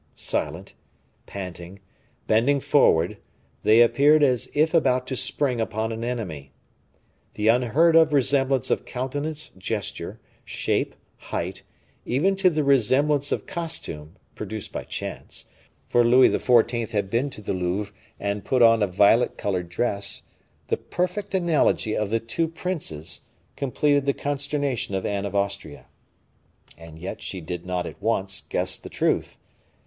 Silent, panting, bending forward, they appeared as if about to spring upon an enemy. The unheard of resemblance of countenance, gesture, shape, height, even to the resemblance of costume, produced by chance for Louis XIV. had been to the Louvre and put on a violet colored dress the perfect analogy of the two princes, completed the consternation of Anne of Austria. And yet she did not at once guess the truth.